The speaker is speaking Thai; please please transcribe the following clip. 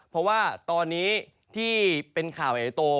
เพราะว่าตอนนี้ที่เป็นข่าวใหญ่โต